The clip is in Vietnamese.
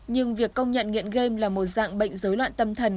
nhưng việc công nhận nghiện game là một dạng bệnh dối loạn tâm thần